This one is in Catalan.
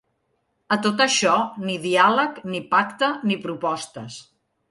A tot això, ni diàleg, ni pacte, ni propostes.